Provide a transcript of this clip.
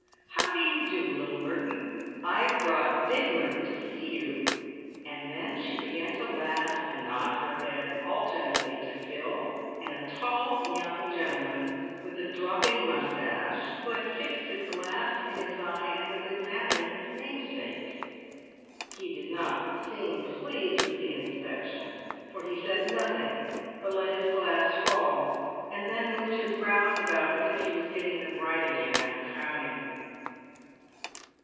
" How do you do, little Mer ton ? I've Drought big Merton to see you." And then she began to laugh and nod her head alternately to Phil and a tall young gentle man, with a dropping moustache, who had fixed his glass in his eye and was examining his namesake. He did not seem pleased with the inspection, for he said nothing, but let his glass fall, and then moved his brows about as if he was getting them right again after frowning.